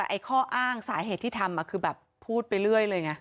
ไอ้ข้ออ้างสาเหตุที่ทำคือแบบพูดไปเรื่อยเลยไง